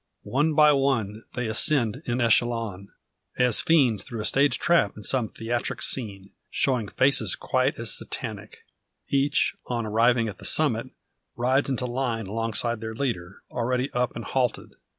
One by one, they ascend en echelon, as fiends through a stage trap in some theatric scene, showing faces quite as satanic. Each, on arriving at the summit, rides into line alongside their leader, already up and halted.